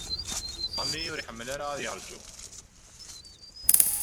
Sami ur iḥemmel ara ad yeṛju.